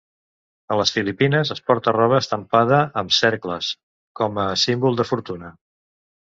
A les Filipines es porta roba estampada amb cercles, com a símbol de fortuna.